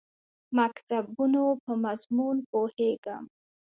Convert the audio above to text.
مکتوبونو په مضمون پوهېږم.